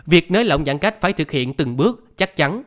việc nới lỏng giãn cách phải thực hiện từng bước chắc chắn